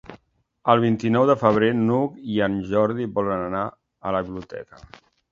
El vint-i-nou de febrer n'Hug i en Jordi volen anar a la biblioteca.